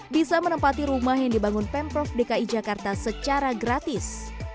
bisa menempati rumah yang dibangun pemprov dki jakarta secara gratis